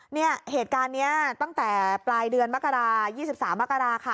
เนี่ยเหตุการณ์นี้ตั้งแต่ปลายเดือนมกรา๒๓มกราค่ะ